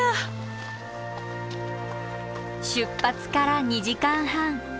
出発から２時間半。